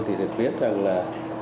thì được biết rằng là